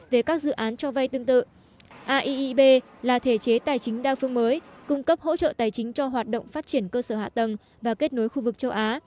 về các dự án cho vay tương tự aip là thể chế tài chính đa phương mới cung cấp hỗ trợ tài chính cho hoạt động phát triển cơ sở hạ tầng và kết nối khu vực châu á